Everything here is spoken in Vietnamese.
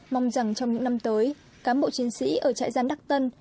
mong rằng trong những năm tới cán bộ chiến sĩ ở trại giam đắc tân